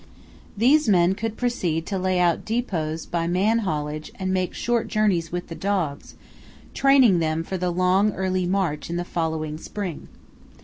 These men could proceed to lay out depots by man haulage and make short journeys with the dogs, training them for the long early march in the following spring.